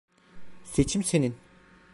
Seçim senin.